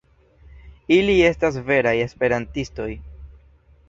Ili estas veraj Esperantistoj!